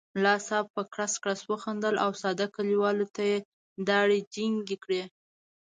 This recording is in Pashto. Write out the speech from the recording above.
ملا صاحب په کړس کړس وخندل او ساده کلیوال ته یې داړې جینګې کړې.